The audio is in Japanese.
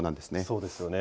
そうですよね。